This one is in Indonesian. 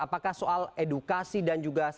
apakah soal edukasi dan juga